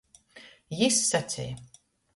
Jis saceja.